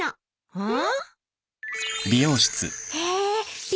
うん？